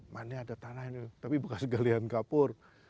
makanya ada tanah ini tapi bukan segalian kapur